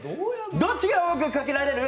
どっちが多くかけられる？